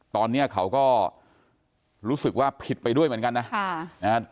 ตอนนี้เขาก็รู้สึกว่าผิดไปด้วยเหมือนกันนะ